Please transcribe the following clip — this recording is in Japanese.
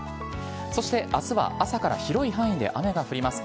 そしてあすは朝から広い範囲で雨が降ります。